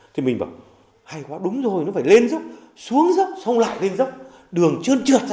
thế mình bảo hay quá đúng rồi nó phải lên dốc xuống dốc xong lại lên dốc đường trơn trượt ra